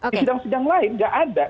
di sidang sidang lain nggak ada